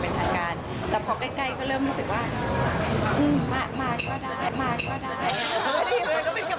ก่อนอันนี้ก็ได้บอกมาว่าอันนี้ไม่ได้กล้าเชิญ